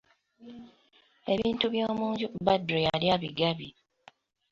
Ebintu by'omunju Badru yali abigabye.